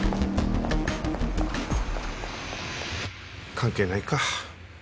関係ないか。